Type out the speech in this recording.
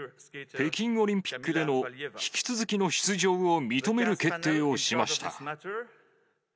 北京オリンピックでの引き続きの出場を認める決定をしました。